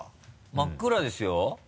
真っ暗ですよ？